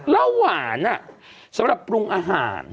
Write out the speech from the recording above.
แล้วหวานสำหรับปรุงอาหาร